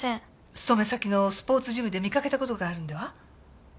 勤め先のスポーツジムで見かけた事があるんでは？